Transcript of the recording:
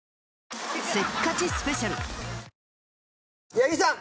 八木さん